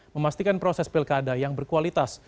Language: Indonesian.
memastikan proses pilkada yang berkualitas